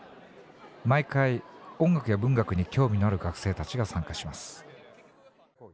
毎回音楽や文学に興味のある学生たちが参加します。